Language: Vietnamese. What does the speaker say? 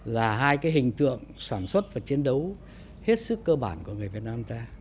là hai cái hình tượng sản xuất và chiến đấu hết sức cơ bản của người việt nam ta